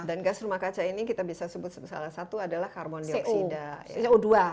dan gas rumah kaca ini kita bisa sebut salah satu adalah karbon dioksida